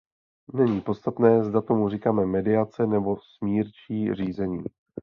Není podstatné, zda tomu říkáme mediace nebo smírčí řízení.